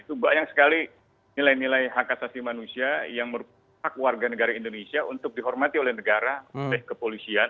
itu banyak sekali nilai nilai hak asasi manusia yang merupakan hak warga negara indonesia untuk dihormati oleh negara oleh kepolisian